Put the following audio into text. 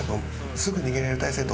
すぐ逃げれる体勢とって。